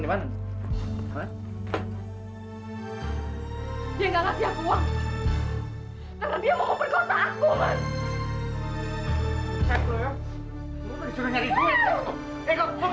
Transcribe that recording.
lu masih sudah nyari duit